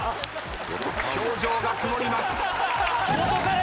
表情が曇ります。